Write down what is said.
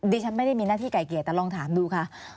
ดิฉันไม่ได้มีหน้าที่ไก่เกลียดแต่ลองถามดูค่ะ